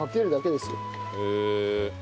へえ。